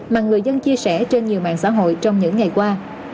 mà người dân chia sẻ trên nhiều mạng xã hội trong những ngày qua